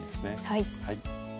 はい。